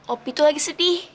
opi tuh lagi sedih